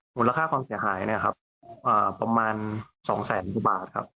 หมุนราคาความเสียหายเนี้ยครับอ่าประมาณสองแสนบาทครับ